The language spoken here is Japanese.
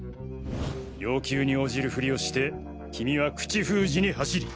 要求に応じるフリをして君は口封じに走り。